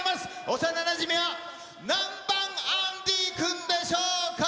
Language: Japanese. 幼なじみは何番アンディー君でしょうか。